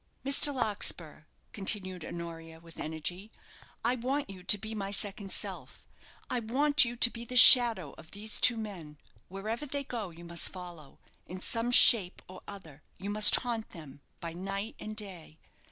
"Mr. Larkspur," continued Honoria, with energy. "I want you to be my second self. I want you to be the shadow of these two men. Wherever they go, you must follow in some shape or other you must haunt them, by night and day.